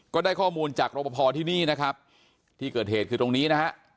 ก็ได้ข้อมูลจากรบพอที่นี่นะครับที่เกิดเหตุคือตรงนี้นะฮะ